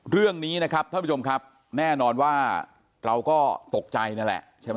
เรื่องนี้นะครับท่านผู้ชมครับแน่นอนว่าเราก็ตกใจนั่นแหละใช่ไหม